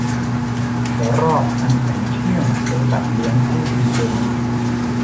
กระรอกอันแสนเชื่องเป็นสัตว์เลี้ยงที่ดีตัวหนึ่ง